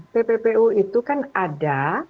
tppu itu kan ada